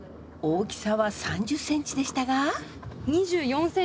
大きさは３０ｃｍでしたが？